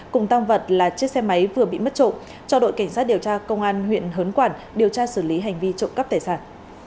cùng tăng vật là chiếc xe máy vừa bị mất trộm cho đội cảnh sát điều tra công an huyện hớn quản điều tra xử lý hành vi trộm cắp tài sản